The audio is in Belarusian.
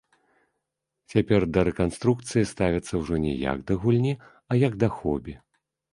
Цяпер да рэканструкцыі ставяцца ўжо не як да гульні, а як да хобі.